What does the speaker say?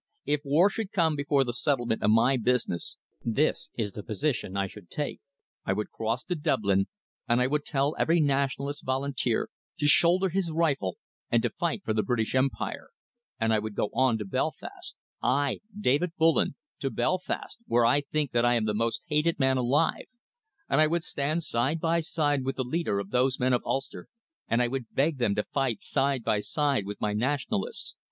If war should come before the settlement of my business, this is the position I should take. I would cross to Dublin, and I would tell every Nationalist Volunteer to shoulder his rifle and to fight for the British Empire, and I would go on to Belfast I, David Bullen to Belfast, where I think that I am the most hated man alive, and I would stand side by side with the leader of those men of Ulster, and I would beg them to fight side by side with my Nationalists.